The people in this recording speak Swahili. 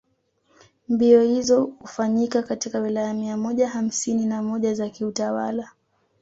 Mbio izo ufanyika katika Wilaya mia moja hamsini na moja za kiutawala